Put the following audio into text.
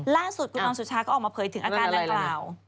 ล่าสุดคุณออมสุชาก็ออกมาเผยถึงอาการดังกล่าว